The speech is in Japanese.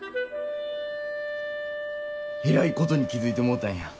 えらいことに気付いてもうたんや。